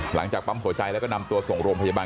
หลังจากปั๊มหัวใจแล้วก็นำตัวส่งโรงพยาบาล